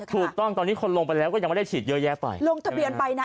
ถูกต้องตอนนี้คนลงไปแล้วก็ยังไม่ได้ฉีดเยอะแยะไปลงทะเบียนไปนะ